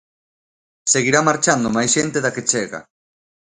Seguirá marchando máis xente da que chega.